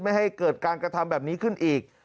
ไม่ให้เกิดการกระทำแบบนี้ขึ้นอีก